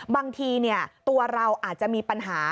บางทีตัวเราอาจจะมีปัญหา